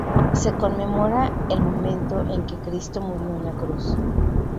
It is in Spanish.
Se conmemora el momento en que Cristo murió en la cruz.